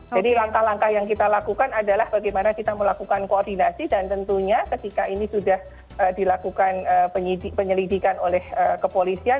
jadi langkah langkah yang kita lakukan adalah bagaimana kita melakukan koordinasi dan tentunya ketika ini sudah dilakukan penyelidikan oleh kepolisian